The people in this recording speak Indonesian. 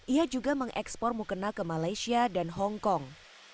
ia juga mengekspor mukena ke malaysia dan hongkong